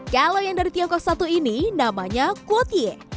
kalau yang dari tiongkok satu ini namanya kuotie